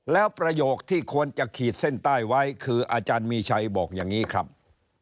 แล้วประโยคที่ควรจะขีดเส้นใต้ไว้คืออาจารย์มีชัยบอกอย่างนี้ครับ